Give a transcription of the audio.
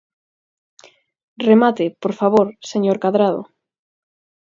Remate, por favor, señor Cadrado.